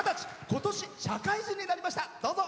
今年、社会人になりました。